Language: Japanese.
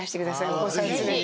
お子さん連れて。